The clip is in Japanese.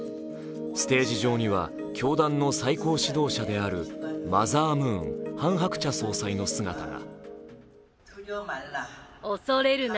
ステージ上には、教団の最高指導者であるマザームーン、ハン・ハクチャ総裁の姿が。